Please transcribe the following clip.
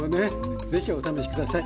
是非お試し下さい。